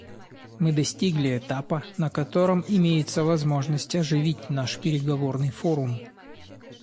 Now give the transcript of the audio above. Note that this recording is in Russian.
Мы достигли этапа, на котором имеется возможность оживить наш переговорный форум.